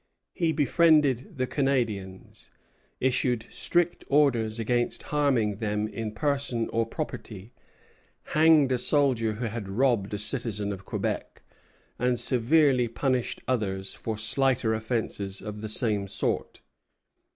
He befriended the Canadians, issued strict orders against harming them in person or property, hanged a soldier who had robbed a citizen of Quebec, and severely punished others for slighter offences of the same sort.